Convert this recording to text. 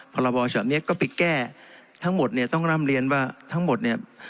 พรบฉบับนี้ก็ไปแก้ทั้งหมดเนี่ยต้องร่ำเรียนว่าทั้งหมดเนี่ย